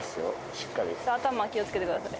しっかり頭気をつけてください